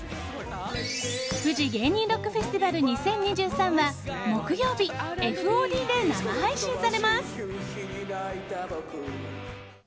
フジ芸人ロックフェスティバル２０２３は木曜日、ＦＯＤで生配信されます。